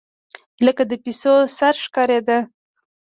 لکه د پيشو سر ښکارېدۀ